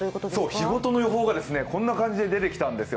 日ごとの予報がこんな感じで出てきたんですよ。